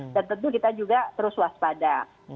dan tentu kita juga terus waspada